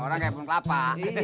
orang kayak pengkelapa